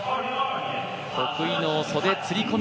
得意の袖釣り込み